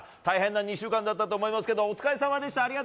大変な２週間だったと思いますけどお疲れさまでした。